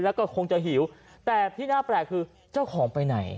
แล้วก็คงจะหิวแต่ที่น่าแปลกคือเจ้าของไปไหน